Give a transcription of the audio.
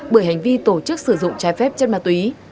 bởi hành vi tổ chức sử dụng trái phép chất ma túy